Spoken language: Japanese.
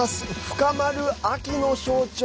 深まる秋の象徴